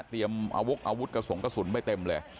วกอาวุธกระสงกระสุนไปเต็มเลย